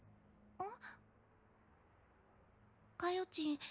あっ。